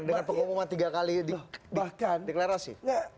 dengan pengumuman tiga kali bahkan deklarasi